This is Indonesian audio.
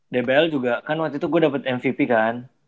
dbl juga kan waktu itu gue dapet mvp kan